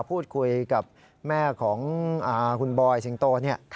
พูดคุยกับแม่ของคุณบอยสิงโตเนี่ย